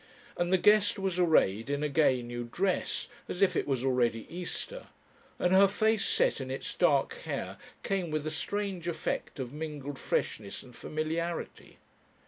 And the guest was arrayed in a gay new dress, as if it was already Easter, and her face set in its dark hair came with a strange effect of mingled freshness and familiarity.